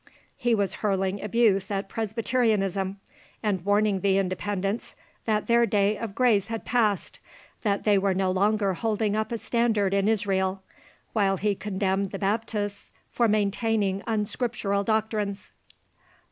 He was hurling abuse at Presbyterianism, and warning the Independents that their day of grace had passed, that they were no longer holding up a standard in Israel, while he condemned the Baptists for maintaining unscriptural doctrines.